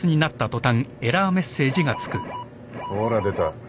ほーら出た。